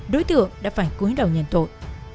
đối tượng đã phải cuối đầu nhận tội